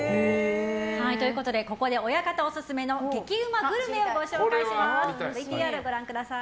ここで親方オススメの激うまグルメをご紹介します。